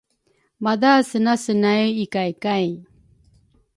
madha senasenay ikay kay.